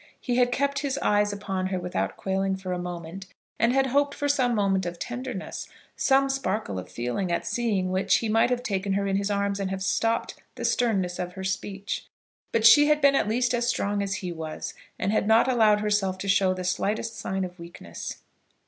He had kept his eyes upon her without quailing for a moment, and had hoped for some moment of tenderness, some sparkle of feeling, at seeing which he might have taken her in his arms and have stopped the sternness of her speech. But she had been at least as strong as he was, and had not allowed herself to show the slightest sign of weakness.